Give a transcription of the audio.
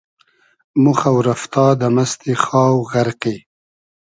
مۉ خۆ رئفتا دۂ مئستی خاو غئرقی